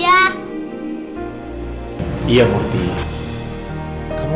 iya murti kamu kayak gini aja cantik apalagi kalau pakai baju itu